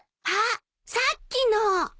あっさっきの。